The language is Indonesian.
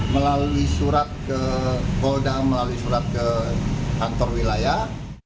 melalui surat ke polda melalui surat ke kantor wilayah